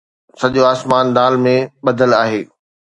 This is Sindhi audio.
سڄو آسمان دال ۾ ٻڏل آهي